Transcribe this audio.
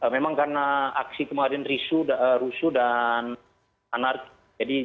memang karena aksi kemarin rusuh dan anarki